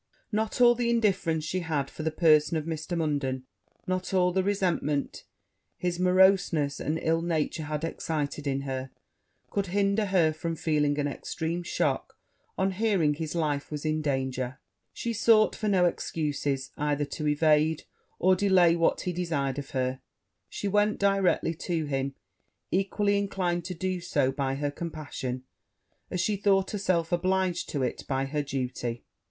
Not all the indifference she had for the person of Mr. Munden not all the resentment his moroseness and ill nature had excited in her could hinder her from feeling an extreme shock on hearing his life was in danger: she sought for no excuses, either to evade or delay what he desired of her; she went directly to him, equally inclined to do so by her compassion, as she thought herself obliged to it by her duty.